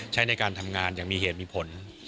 ใช้ในการทำงานอย่างมีเหตุมีผล